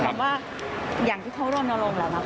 แต่ว่าอย่างที่เขาโรนโรงแล้วนะครับ